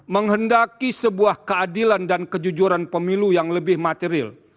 menghendaki sebuah keadilan dan kejujuran pemilu yang lebih material